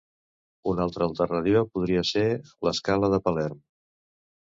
Una altra alternativa podria ser l'Escala de Palerm.